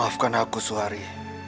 maafkan aku suhari